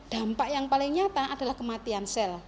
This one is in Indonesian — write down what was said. dampak yang paling nyata adalah kematian sel